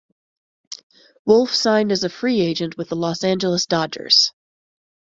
Wolf signed as a free agent with the Los Angeles Dodgers.